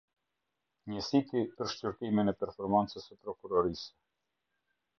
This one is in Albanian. Njësiti për Shqyrtimin e Performancës së Prokurorisë.